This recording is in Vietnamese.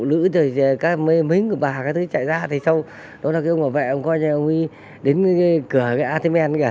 lữ trời trời cái mến của bà cái thứ chạy ra thì sau đó là cái ông bảo vệ ông coi như là ông đi đến cái cửa cái a t men kìa